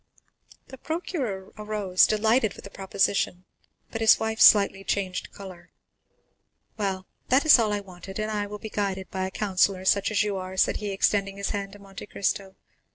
The procureur arose, delighted with the proposition, but his wife slightly changed color. "Well, that is all that I wanted, and I will be guided by a counsellor such as you are," said he, extending his hand to Monte Cristo.